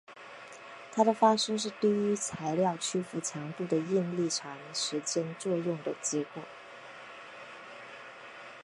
它的发生是低于材料屈服强度的应力长时间作用的结果。